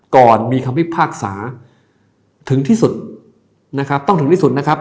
ก่อนมีคำพิพากษาต้องถึงที่สุด